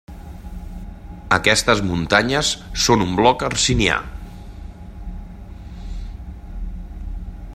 Aquestes muntanyes són un bloc hercinià.